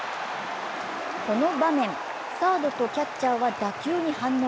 この場面、サードとキャッチャーは打球に反応。